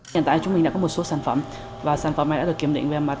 hiện tại chúng mình đã có một số sản phẩm và sản phẩm này đã được kiểm định về mặt